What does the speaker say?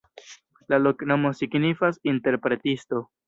La loknomo signifas: interpretisto.